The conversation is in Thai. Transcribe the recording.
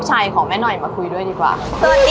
มีขอเสนออยากให้แม่หน่อยอ่อนสิทธิ์การเลี้ยงดู